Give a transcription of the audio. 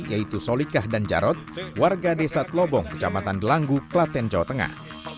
yaitu solikah dan jarod warga desa telobong kecamatan delanggu klaten jawa tengah